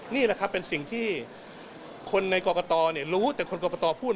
นี่แหละครับเป็นสิ่งที่คนในกรกตริย์เนี่ยรู้แต่คนกรกตริย์พูด